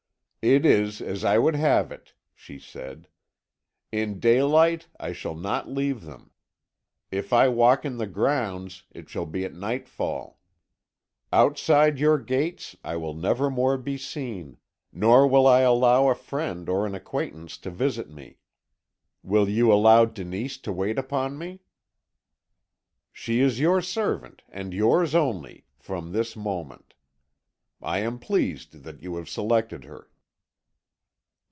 "'It is as I would have it,' she said. 'In daylight I shall not leave them. If I walk in the grounds it shall be at nightfall. Outside your gates I will never more be seen, nor will I allow a friend or an acquaintance to visit me. Will you allow Denise to wait upon me?' "'She is your servant, and yours only, from this moment. I am pleased that you have selected her.'